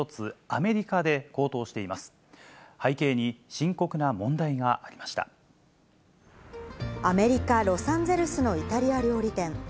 アメリカ・ロサンゼルスのイタリア料理店。